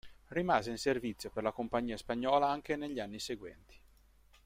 Rimase in servizio per la compagnia spagnola anche negli anni seguenti.